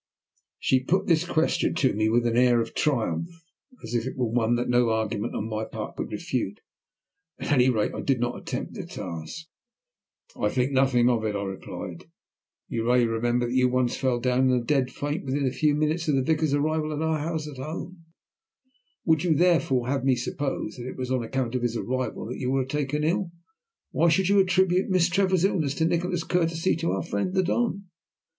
She put this question to me with an air of triumph, as if it were one that no argument on my part could refute. At any rate, I did not attempt the task. "I think nothing of it," I replied. "You may remember that you once fell down in a dead faint within a few minutes of the vicar's arrival at our house at home. Would you therefore have me suppose that it was on account of his arrival that you were taken ill? Why should you attribute Miss Trevor's illness to Nikola's courtesy to our friend the Don?"